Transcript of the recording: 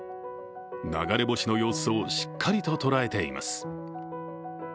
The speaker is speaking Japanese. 流れ星の様子をしっかりと捉えています。